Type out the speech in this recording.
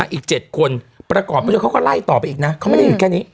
อีก๗คนประกอบไปด้วยเขาก็ไล่ต่อไปอีกนะเขาไม่ได้อยู่แค่นี้